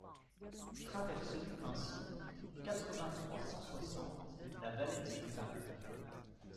Traverse du Pinson, quatre-vingt-trois, cent soixante La Valette-du-Var